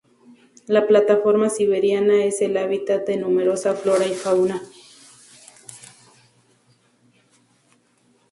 La plataforma siberiana es el hábitat de numerosa flora y fauna.